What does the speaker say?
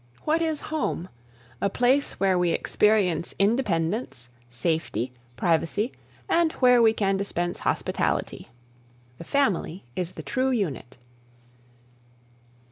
What is home? A place where we experience independence, safety, privacy, and where we can dispense hospitality. "The family is the true unit."